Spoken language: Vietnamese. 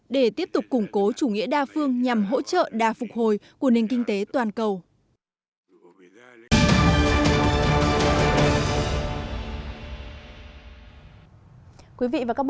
để tiếp tục củng cố chủ nghĩa đa phương nhằm hỗ trợ đa phục hồi của nền kinh tế toàn cầu